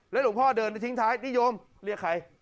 และหลวงพ่อเดินและทิ้งท้ายนี่โยมเรียกใคร